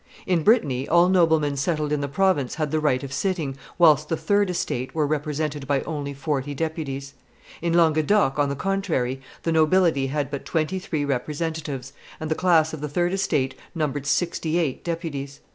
In Brittany all noblemen settled in the province had the right of sitting, whilst the third estate were represented by only forty deputies. In Languedoc, on the contrary, the nobility had but twenty three representatives, and the class of the third estate numbered sixty eight deputies.